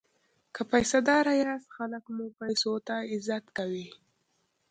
که پیسه داره یاست خلک مو پیسو ته عزت کوي.